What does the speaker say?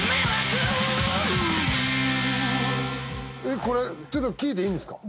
えっこれちょっと聞いていいんですか？